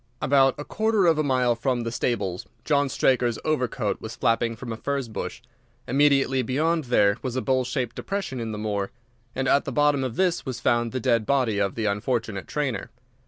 "About a quarter of a mile from the stables John Straker's overcoat was flapping from a furze bush. Immediately beyond there was a bowl shaped depression in the moor, and at the bottom of this was found the dead body of the unfortunate trainer.